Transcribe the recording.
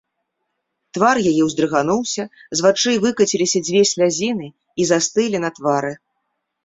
Твар яе ўздрыгануўся, з вачэй выкаціліся дзве слязіны і застылі на твары.